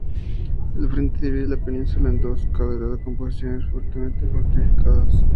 El frente divide la península en dos, cada lado con posiciones fuertemente fortificadas.